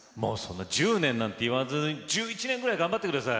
１０年なんて言わず１１年くらい頑張ってください。